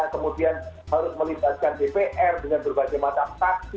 kemudian harus melibatkan dpr dengan berbagai macam saksi